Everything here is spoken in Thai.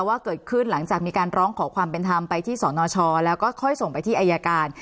ว่าเกิดขึ้นหลังจากมีการร้องขอความเป็นธรรมไปที่สนชแล้วก็ค่อยส่งไปที่อายการ